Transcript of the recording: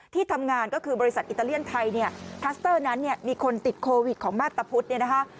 ที่ทำงานก็คือบริษัทอิตาเลียนไทยทัสเตอร์นั้นมีคนติดโควิดของมาตรพุทธ